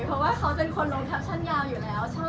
เพราะว่าเขาเป็นคนลงแคปชั่นยาวอยู่แล้ว